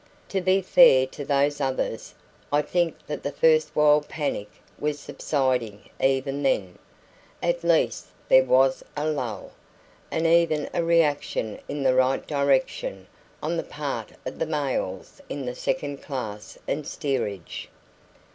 To be fair to those others, I think that the first wild panic was subsiding even then; at least there was a lull, and even a reaction in the right direction on the part of the males in the second class and steerage.